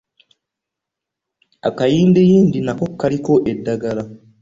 Akayindiyindi nako kaliko eddagala.